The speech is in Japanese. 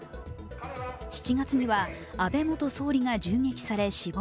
７月には安倍元総理が銃撃され、死亡。